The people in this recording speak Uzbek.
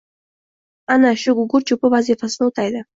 ana shu gugurt cho‘pi vazifasini o‘taydi